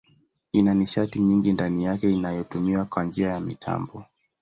Ina nishati nyingi ndani yake inayotumiwa kwa njia ya mitambo.